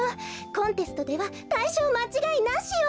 コンテストではたいしょうまちがいなしよ。